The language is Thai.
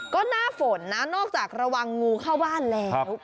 ก็หน้าฝนนะนอกจากระวังงูเข้าบ้านแล้ว